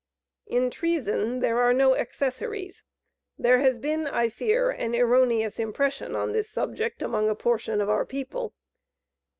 In treason there are no accessories. There has been, I fear, an erroneous impression on this subject, among a portion of our people.